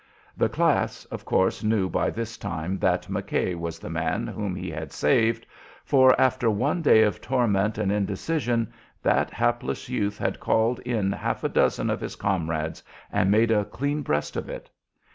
"The Class," of course, knew by this time that McKay was the man whom he had saved, for after one day of torment and indecision that hapless youth had called in half a dozen of his comrades and made a clean breast of it.